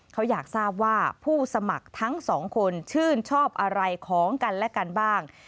เขาอยากทราบว่าผู้สมัครทั้งสองคนชื่นชอบอะไรของกันและกันบ้าง